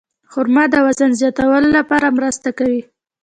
خرما د وزن زیاتولو لپاره مرسته کوي.